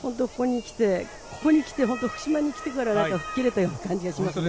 ここに来て福島に来てからちょっと吹っ切れたような感じがしますね。